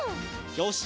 よし！